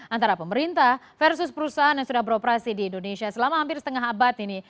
antara pemerintah versus perusahaan yang sudah beroperasi di indonesia selama hampir setengah abad ini